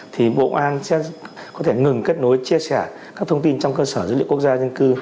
thì bộ an sẽ có thể ngừng kết nối chia sẻ các thông tin trong cơ sở dữ liệu quốc gia dân cư